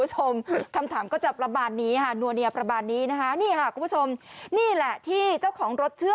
ศพคำถามก็จะประมาณนี้โนนีไปประมาณนี้นะฮะมีหากผู้ชมนี่แหละที่เจ้าของรถเชื่อ